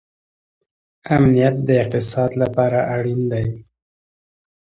امنیت د اقتصاد لپاره اړین دی.